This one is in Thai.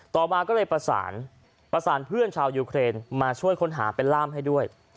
ต่อมาก็เลยประสานประสานเพื่อนชาวยูเครนมาช่วยค้นหาเป็นล่ามให้ด้วย